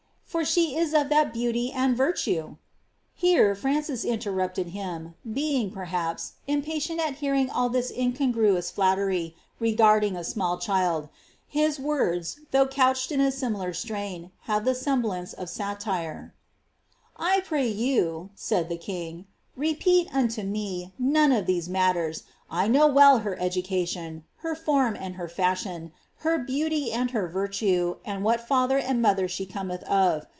for she is of this beauty and virtue " Here Francis interrupted him, being, perhaps impatient at hearing all this incongruous flattery regarding a small chOd; his words, tliough couched in a similar strain, have the semblance of satire —*• 1 pray you," said the king, *' repeat unto me none of these mailers. 1 know well her education, her form and her fashion, her beautv and her virtue, and what father and mother she cometh of.